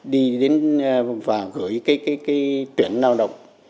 đi đến và gửi cái cái cái tuyển lao động